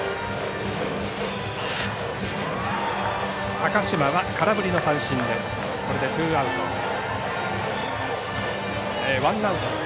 高嶋は空振りの三振です。